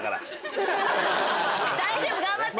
大丈夫？頑張って！